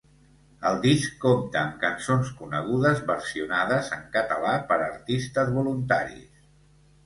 El disc compta amb cançons conegudes versionades en català per artistes voluntaris.